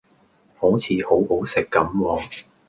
好似好好食咁喎